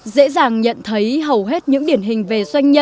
dễ dàng nhận thấy hầu hết những điển hình về doanh nhân